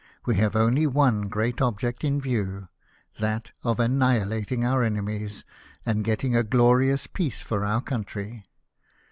We have only one great object in view, that of annihilating our enemies, and getting a glorious peace for our country.